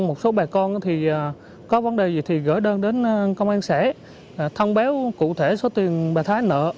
một số bà con thì có vấn đề gì thì gửi đơn đến công an xã thông báo cụ thể số tiền bà thái nợ